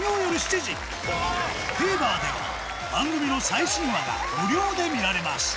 ＴＶｅｒでは番組の最新話が無料で見られます